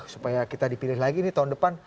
supaya kita dipilih lagi nih tahun depan